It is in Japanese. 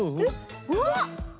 うわっ！